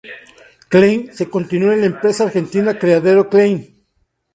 Klein se continua en la empresa argentina Criadero Klein.